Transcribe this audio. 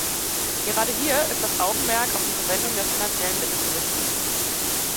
Gerade hier ist das Augenmerk auf die Verwendung der finanziellen Mittel zu richten.